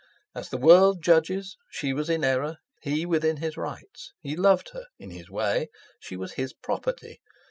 As the world judges she was in error, he within his rights. He loved her—in his way. She was his property.